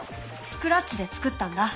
スクラッチでつくったんだ。